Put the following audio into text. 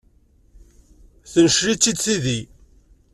Tencel-itt-id tidi.